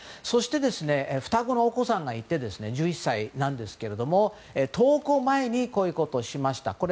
そして、双子のお子さんがいて１１歳なんですけれども登校前にこういうことをしました。